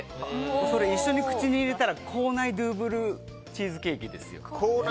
それ、一緒に口に入れると口内ドゥーブルチーズケーキですよ。